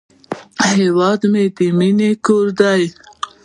هیواد مې د مینې کور دی